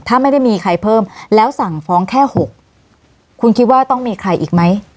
ถ้าไม่ได้มีใครเพิ่มแล้วสั่งฟ้องแค่๖คุณคิดว่าต้องมีใครอีกไหม